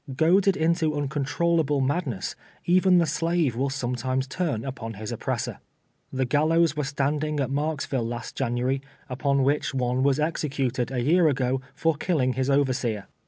Goaded into uncon trollable madness, even the slave will sometimes turn uj^on his oppressor. The gallows were standing at ]\rarksville last January, ujton which one was execu ted a year ago for killing his overseer.